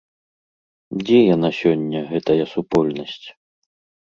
Дзе яна сёння, гэтая супольнасць?